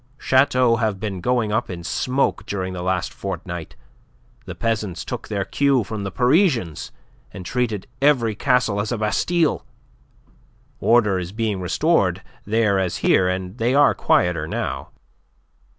Chateaux have been going up in smoke during the last fortnight. The peasants took their cue from the Parisians, and treated every castle as a Bastille. Order is being restored, there as here, and they are quieter now."